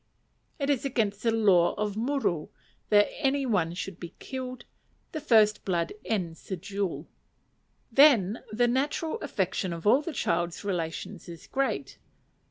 It is against the law of muru that any one should be killed, and first blood ends the duel. Then the natural affection of all the child's relations is great.